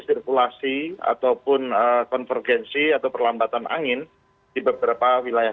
sirkulasi ataupun konvergensi atau perlambatan angin di beberapa wilayah